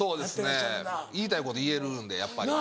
そうですね言いたいこと言えるんでやっぱり。